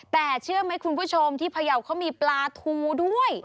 แต่เชื่อไหมคุณผู้ชมที่พยาวเขามีปลาทูด้วย